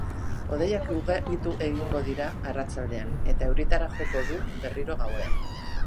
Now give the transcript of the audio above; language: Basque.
Hodeiak ugaritu egingo dira arratsaldean, eta euritara joko du berriro gauean.